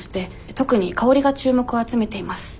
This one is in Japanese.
特に香りが注目を集めています。